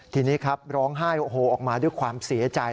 ทีนี้ครับร้องไห้โอ้โหออกมาด้วยความเสียใจ